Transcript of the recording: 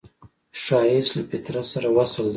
ښایست له فطرت سره وصل دی